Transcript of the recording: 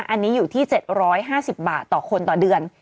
อันนี้อยู่ที่๗๕๐บาทต่อคนต่อเดือน